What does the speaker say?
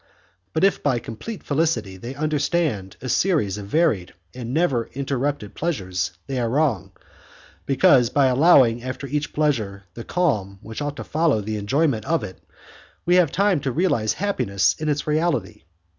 But if by complete felicity they understand a series of varied and never interrupted pleasures, they are wrong, because, by allowing after each pleasure the calm which ought to follow the enjoyment of it, we have time to realize happiness in its reality.